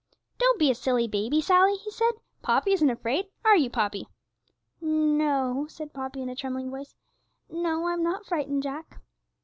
'Don't be a silly baby, Sally,' he said. 'Poppy isn't afraid; are you, Poppy?' 'No,' said Poppy, in a trembling voice; 'no, I'm not frightened, Jack.'